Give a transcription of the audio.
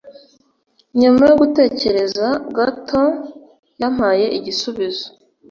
Nyuma yo gutekereza gato, yampaye igisubizo.